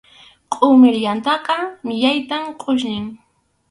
Qʼumir yamtʼaqa millaytam qʼusñin.